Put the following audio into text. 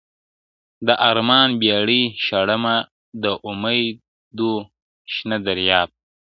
د ارمان بېړۍ شړمه د اومید و شنه دریاب ته,